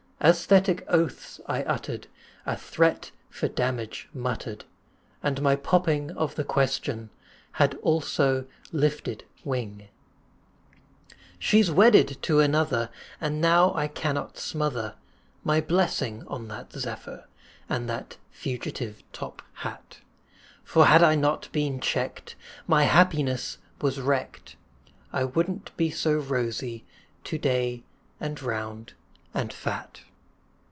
Æsthetic oaths I uttered, A threat for damage muttered, And my popping of the question, Had also lifted wing. She's wedded to another, And now I cannot smother, My blessing on that zephyr, And that fugitive top hat, For had I not been checked, My happiness was wrecked, I wouldn't be so rosy To day, and round and fat.